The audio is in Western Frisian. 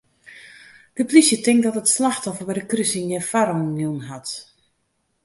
De plysje tinkt dat it slachtoffer by de krusing gjin foarrang jûn hat.